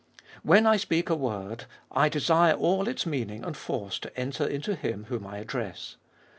4. When I speak a word, I desire all its meaning and force to enter into him whom I address.